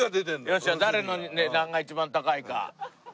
よしじゃあ誰の値段が一番高いか。